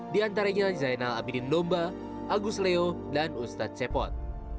di antaranya zainal abidin domba agus leo dan ustadz cepot